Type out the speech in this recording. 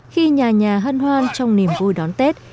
khi nhà nhà hân hoan trong niềm vui đón tết